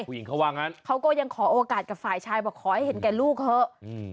ผู้หญิงเขาว่างั้นเขาก็ยังขอโอกาสกับฝ่ายชายบอกขอให้เห็นแก่ลูกเถอะ